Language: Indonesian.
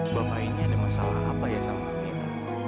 bapak ini ada masalah apa ya sama mina